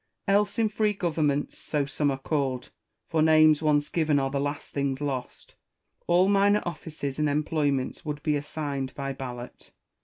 Else in free governments, so some are called (for names once given are the last things lost), all minor offices and employments would be assigned by ballot.